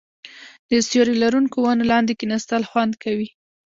د سیوري لرونکو ونو لاندې کیناستل خوند کوي.